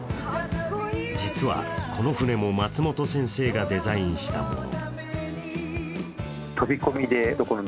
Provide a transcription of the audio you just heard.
実はこの船も松本先生がデザインしたもの。